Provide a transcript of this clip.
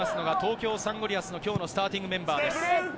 東京サンゴリアスの今日のスターティングメンバーです。